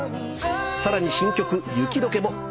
さらに新曲『雪どけ』も。